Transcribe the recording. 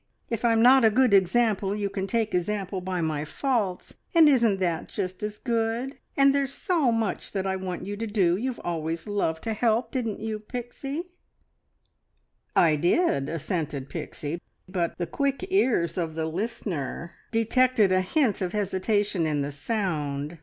If I'm not a good example, you can take example by my faults, and isn't that just as good? And there's so much that I want you to do. You always loved to help, didn't you, Pixie?" "I did," assented Pixie, but the quick ears of the listener detected a hint of hesitation in the sound.